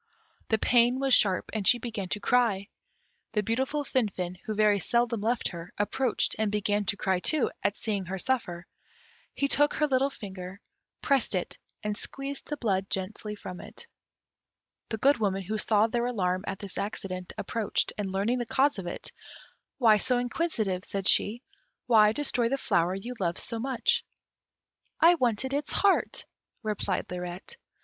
The pain was sharp, and she began to cry; the beautiful Finfin, who very seldom left her, approached, and began to cry too, at seeing her suffer. He took her little finger, pressed it, and squeezed the blood gently from it. The Good Woman, who saw their alarm at this accident, approached, and learning the cause of it, "Why so inquisitive" said she; "why destroy the flower you loved so much?" "I wanted its heart," replied Lirette.